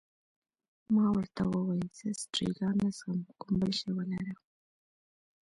ما ورته وویل: زه سټریګا نه څښم، کوم بل شی ولره.